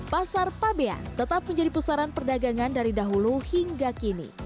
pasar pabean tetap menjadi pusaran perdagangan dari dahulu hingga kini